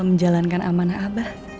menjalankan amanah abah